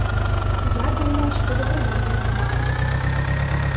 Я думаў, што дабрыду да Германii.